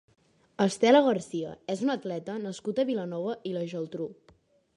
Estela García és una atleta nascuda a Vilanova i la Geltrú.